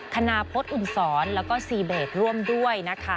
คณพฤษอุ่มศรแล้วก็ซีเบสร่วมด้วยนะคะ